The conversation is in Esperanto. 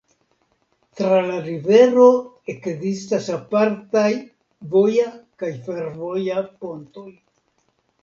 Tra la rivero ekzistas apartaj voja kaj fervoja pontoj.